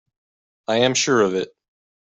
I am sure of it.